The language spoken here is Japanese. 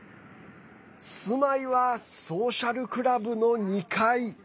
住まいはソーシャルクラブの２階。